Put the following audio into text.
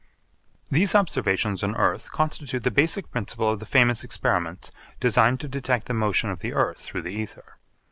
These observations on earth constitute the basic principle of the famous experiments designed to detect the motion of the earth through the ether.